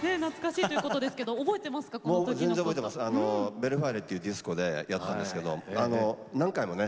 ヴェルファーレっていうディスコでやったんですけど何回もね